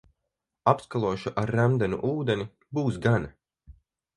Apskalošu ar remdenu ūdeni, būs gana.